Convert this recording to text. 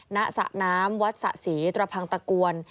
ณสะน้ำวัดอัตภรรค์สี่ตรพังตะกวน